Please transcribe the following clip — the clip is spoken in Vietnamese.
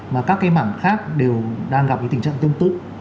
mà các cái mảng khác đều đang gặp cái tình trạng tương tự